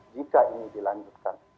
jika ini dilanjutkan